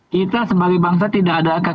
kita sebagai bangsa tidak ada akan